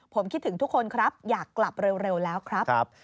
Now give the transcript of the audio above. ผมคิดถึงทุกคนครับอยากกลับเร็วแล้วครับ